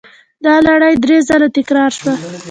دا لړۍ درې ځله تکرار شوه.